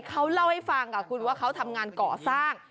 เขาเล่าให้ฟังค่ะคุณว่าเขาทำงานก่อสร้าง